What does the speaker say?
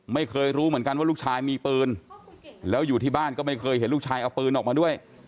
ไม่เคยรู้เหมือนกันว่าลูกชายมีปืนแล้วอยู่ที่บ้านก็ไม่เคยเห็นลูกชายเอาปืนออกมาด้วย